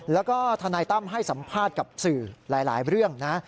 แล้วก็ทนายตั้มให้สัมภาษณ์กับสื่อหลายเรื่องนะ